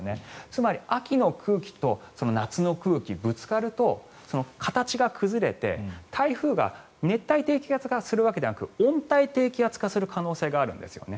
つまり秋の空気と夏の空気がぶつかると形が崩れて、台風が熱帯低気圧化するのではなく温帯低気圧化する可能性があるんですよね。